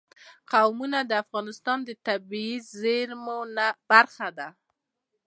قومونه د افغانستان د طبیعي زیرمو برخه ده.